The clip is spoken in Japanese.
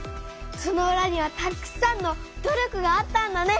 そのうらにはたくさんの努力があったんだね！